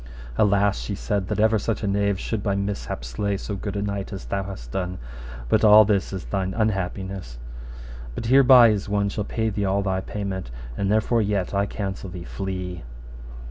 Alas, she said, that ever such a knave should by mishap slay so good a knight as thou hast done, but all this is thine unhappiness. But here by is one shall pay thee all thy payment, and therefore yet I counsel thee, flee.